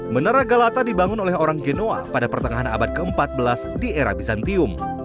menara galata dibangun oleh orang genoa pada pertengahan abad ke empat belas di era bizantium